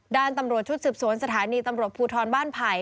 ด้านตำรวจชุดสืบสวนสถานีตำรวจภูทรบ้านไผ่